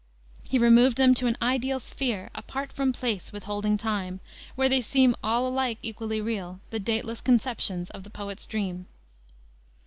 He removed them to an ideal sphere "apart from place, withholding time," where they seem all alike equally real, the dateless conceptions of the poet's dream.